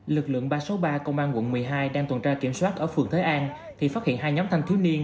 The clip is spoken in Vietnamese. lực lượng ba trăm sáu mươi ba công an quận một mươi hai đang tuần tra kiểm soát ở phường thới an thì phát hiện hai nhóm thanh thiếu niên